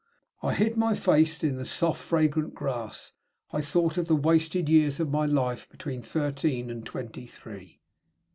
I hid my face in the soft, fragrant grass. I thought of the wasted years of my life between thirteen and twenty three.